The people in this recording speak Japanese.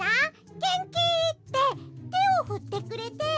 げんき？」っててをふってくれて。